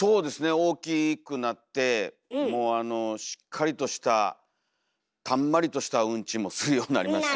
大きくなってもうしっかりとしたたんまりとしたウンチもするようになりまして。